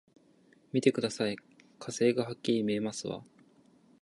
見てください、火星がはっきり見えますわ！